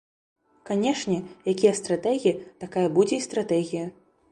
Канешне, якія стратэгі, такая будзе і стратэгія.